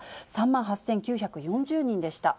３万８９４０人でした。